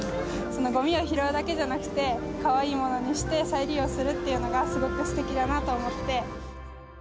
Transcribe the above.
ごみを拾うだけじゃなくて、かわいいものにして、再利用するっていうのがすごくすてきだなと思って。